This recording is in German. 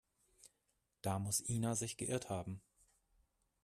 Da muss Ina sich geirrt haben.